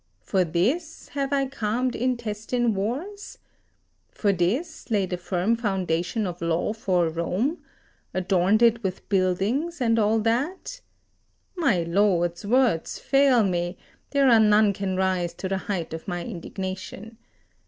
For this have I calmed intestine wars? For this, laid a firm foundation of law for Rome, adorned it with buildings, and all that my lords, words fail me; there are none can rise to the height of my indignation.